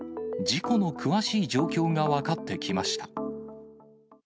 事故の詳しい状況が分かってきました。